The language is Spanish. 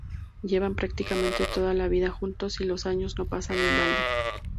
Llevan prácticamente toda la vida juntos y los años no pasan en balde.